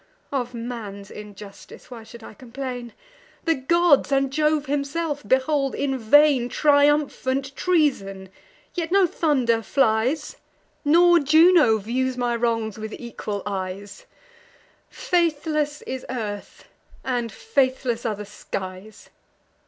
Of man's injustice why should I complain? The gods, and Jove himself, behold in vain Triumphant treason; yet no thunder flies, Nor Juno views my wrongs with equal eyes; Faithless is earth, and faithless are the skies!